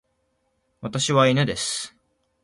私は犬です。